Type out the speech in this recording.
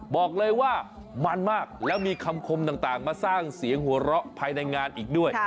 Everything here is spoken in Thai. บอกเลยว่ามันมากแล้วมีคำคมต่างมาสร้างเสียงหัวเราะภายในงานอีกด้วย